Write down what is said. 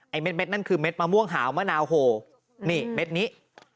เม็ดนั่นคือเม็ดมะม่วงหาวมะนาวโหนี่เม็ดนี้